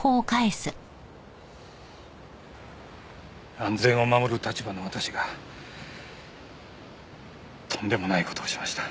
安全を守る立場の私がとんでもない事をしました。